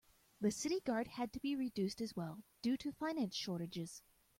The city guard had to be reduced as well due to finance shortages.